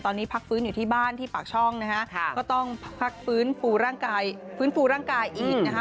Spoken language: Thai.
ตอนนี้พักฟื้นอยู่ที่บ้านที่ปากช่องนะฮะก็ต้องพักฟื้นฟูร่างกายอีกนะฮะ